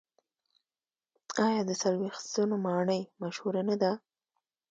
آیا د څلوېښت ستنو ماڼۍ مشهوره نه ده؟